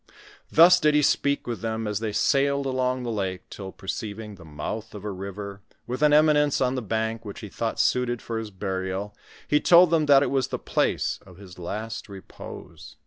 Thus did he speak with them as they sailed along the lake, till, perceiving the mouth of a river, with an eminence on the bank which he thought suited for his burial, he told them that it was the place of his last repose.